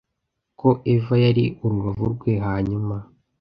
ko eva yari urubavu rwe hanyuma